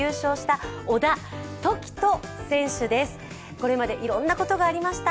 これまでいろんなことがありました